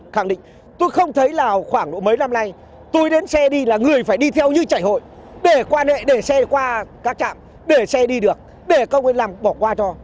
khẳng định tôi không thấy là khoảng mấy năm nay tôi đến xe đi là người phải đi theo như chảy hội để qua nệ để xe qua các trạm để xe đi được để công an làm bỏ qua cho